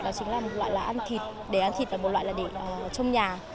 đó chính là một loại là ăn thịt để ăn thịt và một loại là để trong nhà